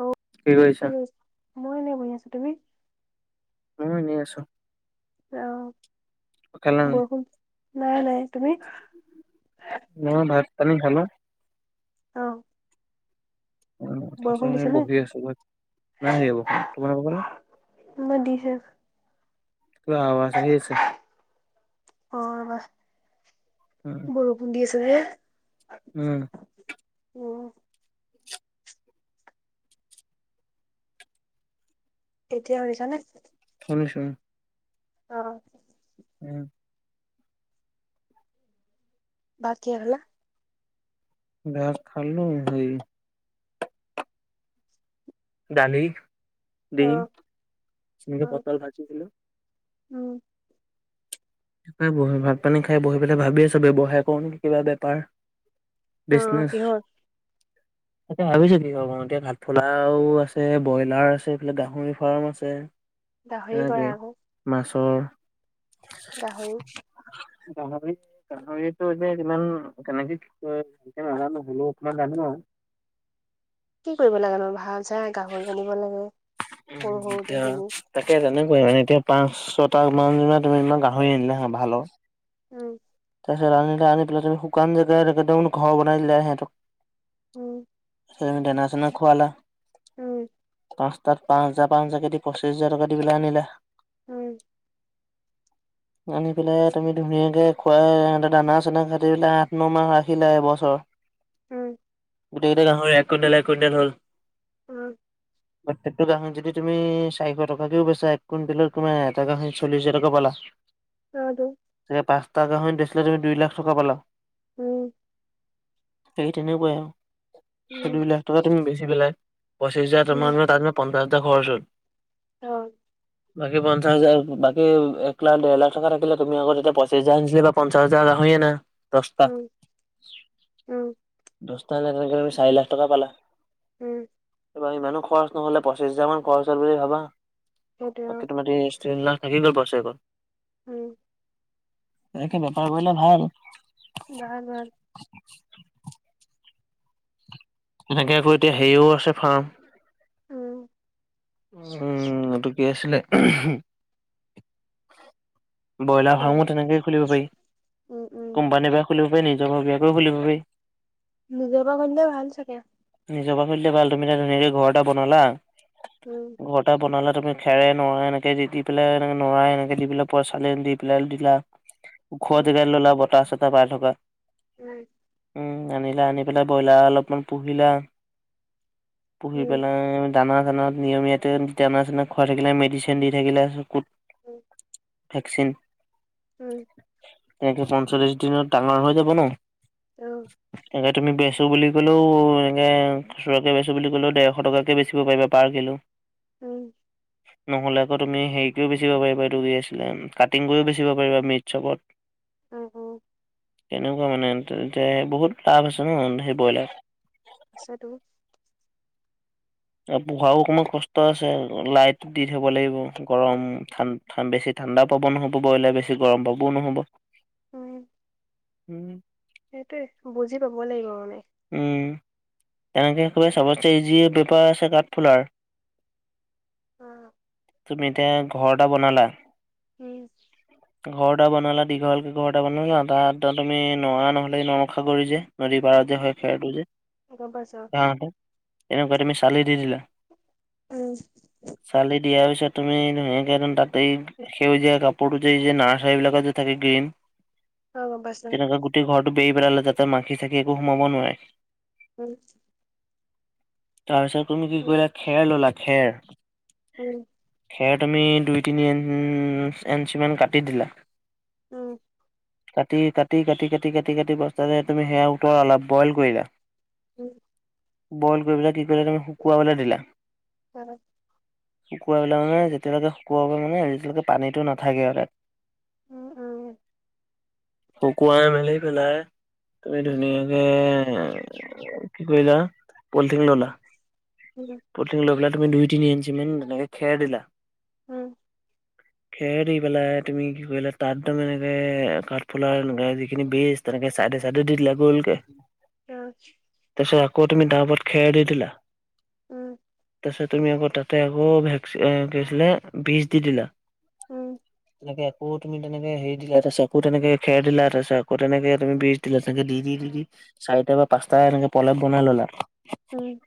অও কি কৰিছা, মই এনেই বহি আছোঁ তুমি? ময়ো এনে আছোঁ। খালা অ' নাই? বৰষুণ নাই-নাই তুমি। মই ভাত পানী খালোঁ। অ' মই বহি বৰষুণ দিছে নে আছোঁ নাই দিয়া বৰষুণ, তোমালোক ফালে? আমাৰ দিছে। পোৰা আবাছ আহি আছে। অ' ৰবা। হুম। বৰষুণ দি আছে যে। উম। উম। এতিয়া শুনিছনে? শুনিছোঁ। অ'। উম। ভাত কিহে খালা? ভাত খালোঁ [unintelligible] ডালি, অ ডিম অ এনেকে পটল ভাজি দিলোঁ। উম! এ, বহি ভাত -পানী খাই বহি পেলাই ভাবি আছোঁ! ব্যৱসায় কৰোঁ নেকি? কিবা বেপাৰ। অ বিজনেছ। কিহৰ এতিয়া ভাবিছোঁ কিহৰ [unintelligible] এতিয়া কাঠফুলাও আছে, ব্ৰইলাৰো আছে এইফালে গাহৰি ফাৰ্ম আছে। গাহৰি কৰা সেনেকে, আকৌ মাছৰ গাহৰি। [unintelligible] [unintelligible] যে, ইমান কেনেকে, কি কয়? কৰে নাজানোঁ। হ'লেও অকমান জানোঁ আও। কি কৰিব লাগেনো? ভাল চাই গাহৰি আনিব লাগে, উম সৰু -সৰুতে এতিয়া কিনি। তাকে, তেনেকৈ মানে, এতিয়া পাঁচ, ছটা মান তুমি, ইমান গাহৰি আনিলা হা! ভালৰ। উম! তাৰপিছত আনিলে, আনি পেলাই, তুমি শুকান জেগাত একদম ঘৰ বনাই দিলা এহঁতক। উম! এ, দেনা- চেনা খুৱালা? উম! পাঁচটাত পাঁচ হাজাৰ, পাঁচ হাজাৰকে দি পঁচিছ হাজাৰ টকা দি পেলাই আনিলে। উম! আনি পেলাই, তুমি ধুনীয়াকে খুৱাই, সিহঁতে দানা -চানা খাই থাকিবলে, আঠ, ন' মাহ ৰাখিলে এবছৰ। উম! গোটেইকেইটা গাহৰি এক কুইণ্টলে, এক কুইণ্টলে হ'ল। উম! [inaudible] প্ৰত্যেকটো গাাহৰি যদি তুমি, চাৰিশ টকাকেও বেচা? এক কুইণ্টেলত তোমাৰ, এটা গাহৰিত চল্লিছ হাজাৰ টকা পালা। [inaudible] অ'! তো। তাকে, পাঁচটা গাহৰি বেচিলে তুমি, দুই লাখ টকা পালা। উম! সেই তেনেকুৱাই আৰু। উম দুই লাখ টকা তুমি বেচি পেলাই পঁচিছ উম হাজাৰ [unintelligible] পঞ্চাশ হাজাৰ খৰচ হ'ল। অ'! বাকী, পঞ্চাশ হাজাৰ বাকী, এক লাখ, দেৰ লাখ টকা থাকিলে, তুমি আকৌ, তেতিয়া পইচা [unintelligible] পঞ্চাশ হাজাৰ গাহৰি আনা দহটা? উম উম দহটা গাহৰি কাৰনে, তুমি চাৰি লাখ টকা পালা। উম! এইবাৰ ইমানো খৰচ নহ'লে, পঁচিছ হাজাৰ মান খৰচ হ'ল বুলি ভাবা! সেইটোৱে অ বাকী, তোমাৰ [unintelligible] তিন লাখ থাকি গ'ল, বছেৰেকত। উম! এনেকে বেপাৰ কৰিলে ভাল! [unintelligible] তেনেকে আকৌ, এতিয়া হেৰিও আছে, ফাৰ্ম। উম! উম, এইটো কি আছিলে? ব্ৰইলাৰ ফাৰ্মো ব'লক তেনেকেই খুলিব পাৰি? উম, উম, কোম্পানীৰ পৰা খুলিব পাৰি, নিজৰ ভগীয়াকেও খুলিব পাৰি। নিজৰ ভাগৰ, নিচিনা ভাল চাগে! নিজৰ পা খুুলিলে ভাল! তুমি এটা ধুনীয়াকে ঘৰ এটা বনালা। উম! ঘৰত এটা বনালা তুমি? খেৰে, নৰাই এনেকে দি, দি পেলাই এনেকে, নৰাই এনেকে দি পেলে। ওপৰত চালি দি পেলাই দিলা, উম, ওখৰ জেগাই ললা বতাহ - চটাহ পাই থকা উম উম আনিলা, আনি পেলাই ব্ৰইলাৰ অলপমান পুহিলা পুহি উম, পেলাই দানা চানা নিয়মীয়াতে দানা- চনা খোৱাই থাকিলে, মেডিচিন দি থাকিলে ক'ত উম! ভেকচিন। উম! একে পঞ্চল্লিশ দিনত ডাঙৰ হৈ যাব ন? অ এনেকে তুমি বেচো বুলি কলেও এনে খুচুৰাকে বেচো বুলি' কলেও ডেৰশ টকাকে বেচিব পাৰিব পাৰ কিলো। উম। নহলে আকৌ তুমি হেৰি কৰিও বেচিব পাৰিবা এইটো দি আছিলে কাটিং কৰিও বেচিব পাৰিবা মিটচপত। অ অ। কেনেকুৱা মানে এতিয়া বহুত লাভ আছে ন সেই ব্ৰইলাৰ? আছাটো। আৰু পোহাও অকণমান কষ্ট আছে লাইট দি থব লাগিব গৰম ঠাণ ঠান বেছি ঠাণ্ডাও পাব নহ'ব ব্ৰইলাৰ বেছি গৰম পাবও নহ'ব। উম। উম। সেইটোৱে বুজি পাবই লাগিব মানে। উম। এনেকৈ চবতচে ইজি বেপাৰ আছে কাঠফুলাৰ। উম। তুমি এতিয়া ঘৰ এটা বনালা উম। [unintelligible] ঘৰ এটা বনালা দীঘলকৈ ঘৰ এটা বনোৱা আৰু তাত তুমি নৰা নহ'লে নৰসাগৰি যে নদীৰ পাৰত যে উম, হয় খেৰটো যে, গম পাইছোঁ ঘাঁহতে তেনেকুৱা তুমি চালি দি দিলা উম। চালি দিয়াৰ পিছত তুমি ধুনীয়াকে একদম তাতেই সেউজীয়া কাপোৰটো যে যে নাৰ্চাৰীবিলাকত যে থাকে গ্ৰীন। অ', গম পাইছোঁ তেনেকুৱা গোটেই ঘৰটো বেই পেলালে যাতে মাখি - চাকি একো সোমাব নোৱাৰে। উম। তাৰপিছত তুমি কি উম, কৰিলা খেৰ ললা খেৰ উম। খেৰ তুমি দুই তিনি ইঞ্চি মান কাটি দিলা। উম। কাটি কাটি কাটি কাটি কাটি কাটি বস্তাতে তুমি সেয়া উতলালা বইল কৰিলা। উম। বইল কৰি পেলাই কি কৰিলা তুমি শুকুৱাবলৈ দিলা? হয়। শুকুৱাই মানে যেতিয়া লেকে শুকুৱাব পৰা মানে তিয়ালৈকে পানীটো নাথাকে ইয়াতে। উম উম। শুকোৱাই মেলি পেলাই, তুমি ধুনীয়াকে এ কি কৰিলা পলথিং উম, ললা। উম, পলথিং লৈ পেলাই তুমি দুই- তিনি ইঞ্চি মান তেনেকে খেৰ দিলা। উম। খেৰ দি পেলাই তুমি কি কৰিলা তাত তুমি এনেকে কাঠফুলাৰ লগাই দি পেলাই বেষ্ট তেনেকে চাইতে চাইতে দি দিলা গো'লকে। আচ্ছা তাৰ পিছত আকৌ তুমি তাৰ ওপৰত খেৰ দি দিলা। উম তাৰপিছত তুমি আকৌ তাতে আকৌ ভেকচিন কি হৈছিলে বীজ দি দিলা। উম। তেনেকে আকৌ তুমি তেনেকে হেৰি দিলা তাৰপাছত আকৌ তেনেকে খেৰ দিলা, তাৰপাছত আকৌ তেনেকে তুমি বীজ দিলে চাগে দি দি দি দি চাৰিটা বা পাঁচটা এনেকে পলেপ বনাই ললে উম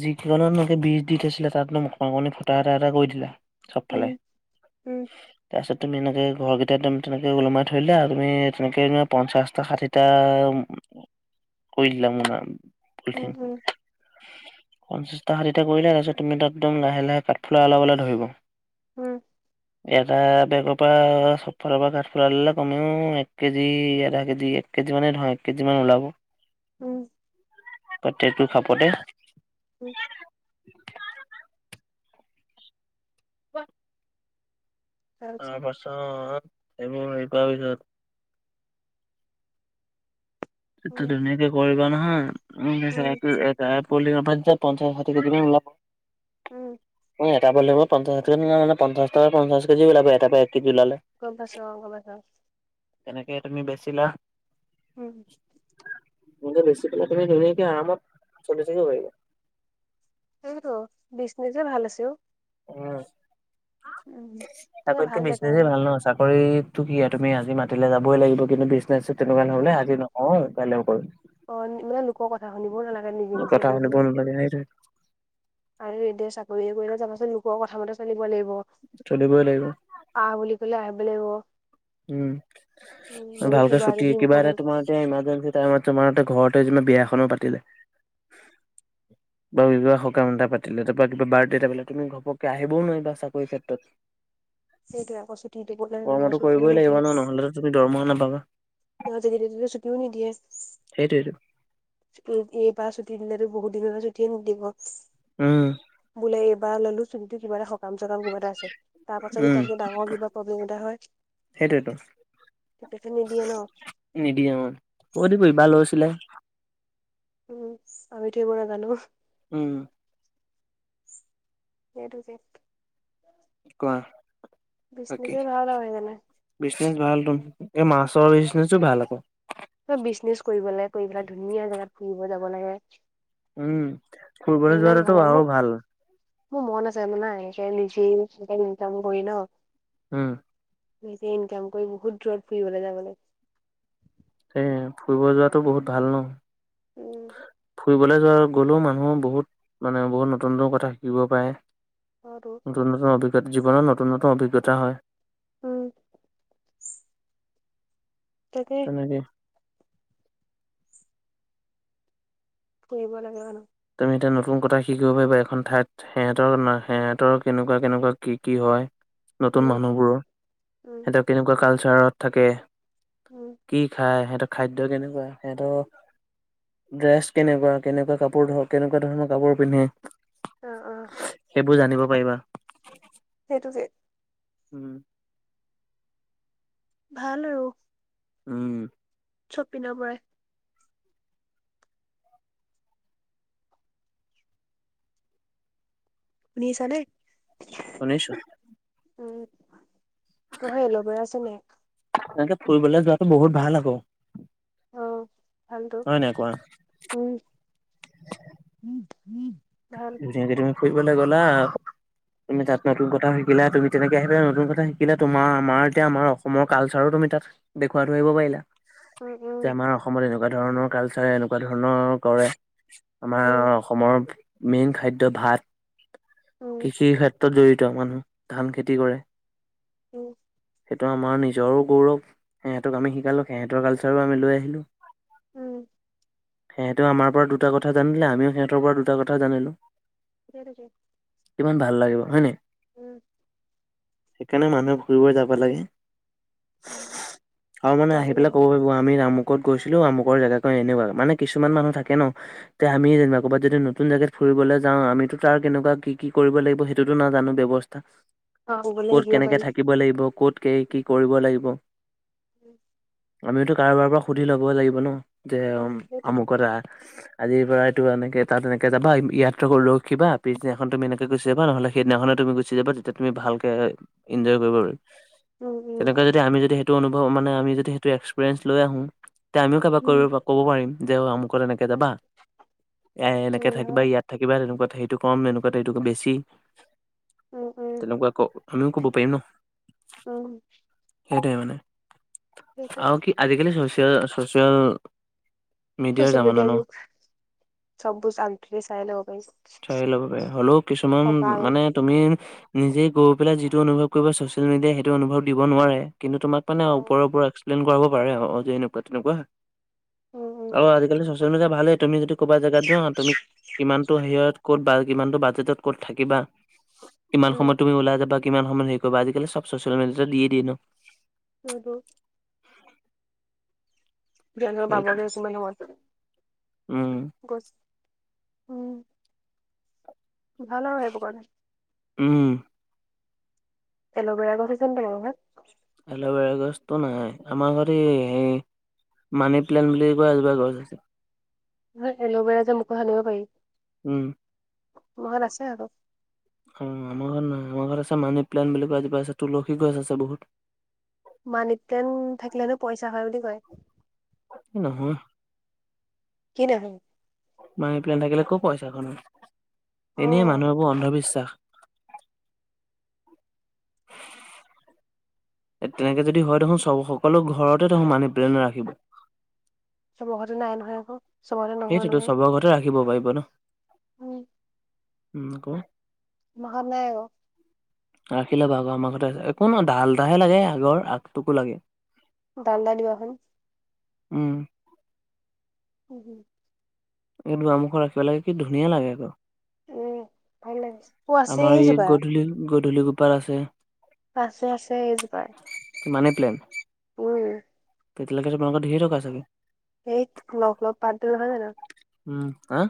যি দিননত বী দি থৈছিলে। তাত অকণনি ফুটা এটা এটা কৰি দিলে চব ফালে উম, উম তাৰপিছত তুমি এনেকে ঘৰকেইটা একদম তেনেকে ওলমাই ধৰিলে আৰু তুমি তেনেকে তহ পঞ্চাশটা ষাঠিটা এটা কৰি দিলে মুনা পলঠিন উম, পঞ্চাশটা ষাঠিটা কৰিলে তাৰপিছত তুমি তাত একদম লাহে লাহে কাঠফুলা উলাবলে ধৰিব। উম। [inaudible] এটা বেগৰ পৰা চবফালৰ পৰা কাঠফুলা ললে কমেও এক কেজি, আধা কেজি কেজিমানেই ধৰা এক কেজিমান ওলাব। উম প্ৰত্যেকটো খাপতে উম। [unintelligible] তাৰ তাৰপিছত পাছত এইবোৰ হেৰি পোৱা পিছত সেইটো উম, ধুনীয়াকে কৰিবা নহয়, উ উম। এটাত বলদি‍ংৰ পাত যে পঞ্চাশ ষাঠি কেজিমান উলাব। উম। এটা বেগত পঞ্চাশ কেজি মান পঞ্চা টকা পঞ্চাশ কেজি ওলাব। এটা পৰা এক কেজি ওলালে গম পাইছো অহ, হব‌ দিয়ক তেনেকে তুমি বেচিলা ওম তেনেকে বেছি পেলাই তুমি ধুনীয়াকে আৰামত চলি থাকিব পাৰিবা। এইয়ে তহ, বিজনেজে এহ ভাল আছে। অ উম, উম। তাকে চাকৰিতকে ভাল জেগা বিছনেছ হ'ল এহ ভাল নহ, চাকৰিত তহ কি আৰু তুমি আজি মাতিলে যাবই লাগিব। কিন্তু বিজনেছ তেনেকুৱা নোলাই অ', আজি নকৰো। কালিকে‌ কৰিম অ মানে লোকৰ কথা শুনিবও নালাগে। নিজে নিজে কৰিলে চৰ্দি লাগিছে নেকি? আৰু এতিয়া চাকৰ কৰিলে যাবাচোন লোকৰ কথা মতে চলিব লাগিব। চলিবই লাগিব। আহ বুলি কলে আহবলে লাগিব। উম, উম, যদি ভালকৈ কিবা ছুটি যদি একেবাৰে ইম্পৰ্টেণ্ট তোমাৰ ইয়াৰ ইমাৰ্জেঞ্চি টাইমত তোমাৰটো ঘৰতে যিমান বিয়াখনো পাতিলে। বা সকাম এতা পাতিলে, তাৰপৰা কিবা বাৰ্থডে এটা পাতিলে, তুমি ঘপককে আহিবও নোৱাৰিবা চাকৰি ক্ষেত্ৰত। সেইটোৱে অক, ছুটি দিব নে নিদিয়ে যাবই লাগিব নহ, নহলেটো তুমি দৰমহা নাপাবা নহয়, যেতিয়া তেতিয়া ছুটিও নিদিয়ে। সেইটোৱেইটো উ, এইবাৰ ছুটি দিলেতো বহুত দিনলৈকে ছুটিয়ে নিদিব উম। বোলে এইবাৰ ললোঁ। চোনিতি কিবা এটা সকাম চকাম হবলে‌ আছে। তাৰ পাছত যদি তাত ডাঙৰ কিবা প্ৰব্লেম এটা হয়। সেইটোৱেতো তেতিয়া নিদিয়ে নহ নিদিয়ে অহ, কৈ দিবি‌ ইবাৰ লৈছিলে। উম আমিতো এইবোৰ নাজানো। উম। সেইটো যে কোৱাে বাকী, বিজনেছে ভাল আৰু সেইকাৰণে বিষ্ণুৰ ভাল তোন। এই মাছৰ বিজনেচ টো ভাল আক। বিজনেছ কৰিব লাগে কৰি পেলাই ধুনীয়া জোগাত ফুৰিব যাব লাগে। উম, ফুৰিবলৈ সেইবিলাক যোৱাটোতো ভাল লাগে আৰু মোৰ। মোৰ মন আছে মানে এনেকে নিজে সনেকে ইন কাম কৰি ন। উম। নিজে ইনকাম কৰি বহুত দূৰত ফুৰিবলে যাবলে। এ ফুৰিব যোৱাতো বহুত ভাল ন। উম। ফুৰিবলৈ যোৱা গ'লেও মানুহৰ বহুত, মানে বহুত নতুন-নতুন কথা শিকিব পাৰে। হয়তো নতুন-নতুন অভিজ্ঞতা জীৱনৰত নতুন-নতুন অভিজ্ঞতা হয়। উম। তাকে। তাকে। কৰিব লাগে [unintelligible] তুমি এতিয়া নতুন কথা শিকিব পাৰিবা এখন ঠাইত। সিহঁতৰ ন সিহঁতৰ কেনেকুৱা কেনেকুৱা কি কি হয়। নতুন উম মানুহবোৰৰ। উম সিহঁতে কেনেকুৱা কালচাৰত থাকে। উম। কি খাই সিহঁতৰ খাদ্য কেনেকুৱা সিহঁতৰ, ড্ৰেছ কেনেকুৱা, কেনেকুৱা কাপোৰ ধ কেনেকুৱা ধৰণৰ কাপোৰ পিন্ধে। অ অ। সেইবোৰ জানিব পাৰিবা। সেইটো যে, উম। ভাল আৰু উম। চবপিনৰ পৰাই। শুনিছানে। শুনিছো। উম, তোমাৰ এল'ভেৰা আছে নি। এনেকে ফুৰিবলৈ যোৱাটো বহুত ভাল আক। অ, ভালটো, হয় নাই কোৱা উম। ভাল যেনেকৈ তুমি ফুৰিবলৈ গলা। তুমি তাত নতুন কথা শিকিলা, তুমি তেনেকে তুমি তাত নতুন কথা শিকিলা তুমি তেনেকে আহি নতুন কথা শিকিলা, তোমাৰ আমাৰ এতিয়া আমাৰ অসমৰ কালচাৰো তুমি তাত দেখুৱাইথৈ আহিব পাৰিলা। যাব যে আমাৰ অসমত এনেকুৱা ধৰণৰ কালচাৰে এনেকুৱা ধৰণৰ কৰে। আমাৰ অসমৰ মেইন খাদ্য ভাত, কৃষিৰ ক্ষেত্ৰ ত জড়িত মানুহ, ধান খেতি কৰে। উম, সেইটো আমাৰ নিজৰো গৌৰৱ, সিহঁতক আমি শিকালোঁ সিহঁতৰ কালচাৰো আমি লৈ আহিলোঁ। উম, সিহঁতেও আমাৰ পৰা দুটা কথা জানিলে আমিও সিহঁতৰ পৰা দুটা কথা জানিলোঁ। [unintelligible] কিমান ভাল লাগিব, হয় নাই। উম সেইকাৰণে মানুহে ঘুৰিব যাব লাগে, আৰু মানে আহি পেলাই লাগে কব পাৰিবি ত' আমি আমুকত গৈছিলো আমুকৰ জেগাকন এনেকোৱা, মানে কিছুমান মানুহ থাকে ন তে আমিয়ে জেনেবা ক'বাত যদি ন নতুন জেগাত ফুৰিবলৈ যাওঁ, আমিতো তাৰ কেনেকুৱা কি কি কৰিব লাগিব সেইটোতো নাজানো ব্যৱস্থা। ক'বলৈ ক'ত শিকিব কেনেকে পাৰি। থাকিব লাগিব, ক'ত কি কৰিব লাগিব। উম আমিওটো কাৰোবাৰ পৰা সুধি লব লাগিব ন যে আমুকত আ আজিৰ পৰা এইটো এনেকে তাত এনে যাবা ইয়াত ৰখিবা পিছদিনাখন এনেকে গুচি যাবা নহ'লে সেইদিনাখনে তুমি গুচি যাবা তেতিয়া তুমি ভালকে এনজয় কৰিব পাৰি। উম, উম, উম, তেনেকোৱা যদি আমি যদি সেইটো অনুভৱ মানে আমি যদি সেইটো এক্সপিৰিয়েঞ্চ লৈ আহো তেতিয়া আমিও কাৰবাক উম, কৰিব পাৰো ক'ব পাৰিম যে অমুকত এনেকে যাবা এ এনেকে উম, থাকিবা হয়। ইয়াত ইয়াত থাকিবা তেনেকোৱা সেইটো কম তেনেকোৱা এইটো বেছি উম, উম, তেনেকোৱা ক আমি ক'ব পাৰিম ন। উম। সেইটোৱে মানে সেইটোৱে আৰু কি আজিকালি চচিয়েল চচিয়েল মিডিয়াৰ চচিয়েল জামানা মেদিয়াৰ ন যোগ সব বোৰ আগ দিনা চাই লব পাৰি চাই ল'ব পাৰি হ'লেও কিছুমান সকাল মানে। তুমি নিজেই গৈ পেলাই যিটো অনুভৱ কৰিব ছচিয়েল মিডিয়াই সেইটো অনুভৱ দিব নোৱাৰে কিন্তু তোমাক মানে ওপৰে উম, ওপৰে এক্সপ্লেইন কৰাব পাৰে অ এনেকোৱা তেনেকোৱা উম, আৰু আজিকালি চচি য়েল মিডিয়া ভালে তুমি যদি ক'বা জেগাত যোৱা তুমি কিমানটো হেৰিয়ত কত বা কিমানটো বাজেটত কত থাকিবা কিমানটো উম, সময়ত তুমি ওলাই যাবা কিমান সময়ত হেৰি কৰিবা আজিকালি চব ছচিয়েল মিডিয়াতে দিয়ে দিয়ে ন। হয় তো কিমান সময়ত পাবগে সেইটোৱে কিমান সময়ত উম গৈছো উম। ভাল আৰু সেইবোৰ কাৰণে। উম। এল'ভেৰা গছ আছে নে তোমালোকৰ ঘৰত। এল'ভেৰা গছতো নাই আমাৰ ঘৰতে এই হেৰি মানি প্লেণ বুলি কোৱা এজোপা গছ‌ আছে। হে এল'ভেৰা যে মুখত সানিব পাৰি। উম। আম ঘৰত আছে আক উম আমাৰ ঘৰত নাই আমাৰ ঘৰত আছে মানি প্লেন বুলি কোৱা এজোপা আছে তুলসী গছ আছে বহুত। মানি প্লেন থাকিলেনো পইচা হয় বুলি কয়। এ নহয়। কি নহয় মানি প্লেন থাকিলে ক' পইচা হয়নো অ এনে মানুহৰ এইবোৰ অন্ধবিশ্বাস। [unintelligible] তেনেকে যদি হয় দেখোন চব সকলো ঘৰতে দেখোন মানি প্লেন ৰাখিব। চব ঘতে নাই নহয় আকৌ চবতে নহয় নহয়। চব ঘতে ৰাখিব পাৰিব ন। উম। উম ক। আমা ঘত নাই আক [inaudible] ৰাখিলবা আকৌ আমাৰ ঘতে আছে একো নহয় ডাল এটাহে লাগে আগৰ আগটোকো লাগে। দাল এটা দিবা চোন উম হু হু এই দোৱামুখ ৰাখিব লাগে কি ধুনীয়া লাগে আকৌ। উম ভাল লাগিছে। অ আছে আমাৰ এই এইজোপা গধূলি- গধূলি গোপাল আছে। পাছো আছে এইজোপাৰ। মানি প্লেন। উম। তেতিয়ালকে তোালোকৰ ধেৰ থকা চাগে? সেই লগ লগ পাৰ দিলো নহয় জানো। উম হা!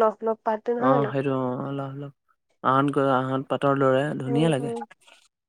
লগ লগ পাতটো অ নহয় জানো সেই অ অলপ অলপ আহতৈ আহত পাতৰ লৰে উম ধুনীয়া লাগে। উম